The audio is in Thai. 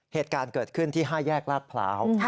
เหตุการณ์เกิดขึ้นที่๕แยกลาดพร้าว